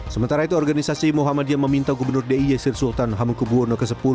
sementara itu organisasi muhammadiyah meminta gubernur dia sir sultan hamid kubuwono x